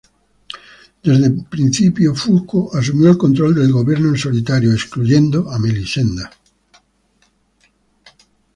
Desde el principio Fulco asumió el control del gobierno en solitario, excluyendo a Melisenda.